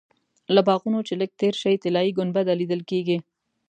له باغونو چې لږ تېر شې طلایي ګنبده لیدل کېږي.